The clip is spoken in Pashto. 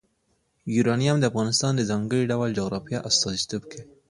یورانیم د افغانستان د ځانګړي ډول جغرافیه استازیتوب کوي.